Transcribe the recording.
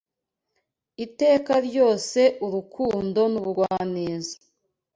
Iteka ryose urukundo n’ubugwaneza